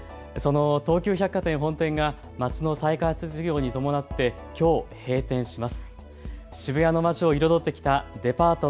その東急百貨店本店が街の再開発事業に伴ってきょう閉店します。